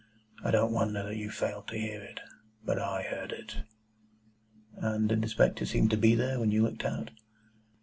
I don't wonder that you failed to hear it. But I heard it." "And did the spectre seem to be there, when you looked out?"